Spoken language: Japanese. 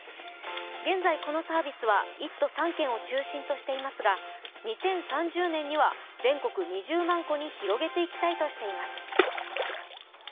現在、このサービスは１都３県を中心としていますが２０３０年には全国２０万戸に広げていきたいとしています。